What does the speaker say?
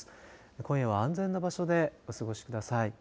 今夜は安全な場所でお過ごしください。